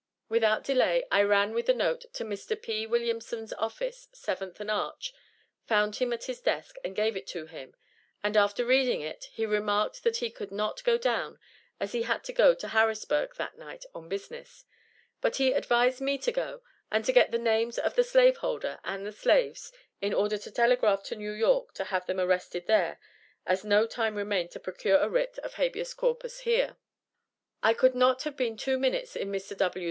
Without delay I ran with the note to Mr. P. Williamson's office, Seventh and Arch, found him at his desk, and gave it to him, and after reading it, he remarked that he could not go down, as he had to go to Harrisburg that night on business but he advised me to go, and to get the names of the slave holder and the slaves, in order to telegraph to New York to have them arrested there, as no time remained to procure a writ of habeas corpus here. I could not have been two minutes in Mr. W.'